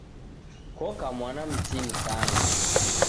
Koka mwana mtini sana.